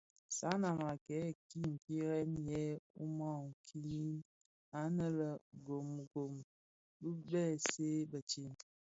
Sanan a kèn ki pierè yè ùman kinin anë le Ngom gum gum bi bësèè bëtsem.